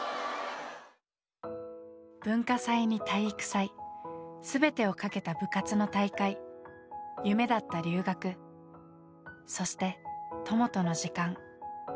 文化祭に体育祭全てをかけた部活の大会夢だった留学そして友との時間。